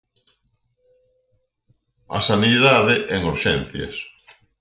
A sanidade, en Urxencias.